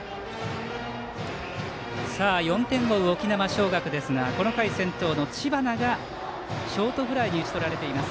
４点を追う沖縄尚学ですがこの回、先頭の知花がショートフライに打ち取られています。